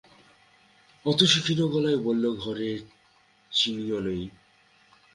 অতসী ক্ষীণ গলায় বলল, ঘরে চিনিও নেই।